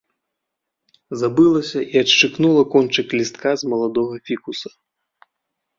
Забылася і адшчыкнула кончык лістка з маладога фікуса.